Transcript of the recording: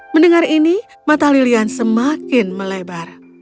mendengar ini mata lilian semakin melebar